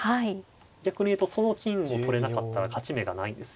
逆に言うとその金を取れなかったら勝ち目がないです。